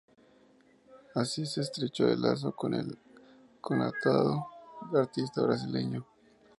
Así se estrechó el lazo con este connotado artista brasileño.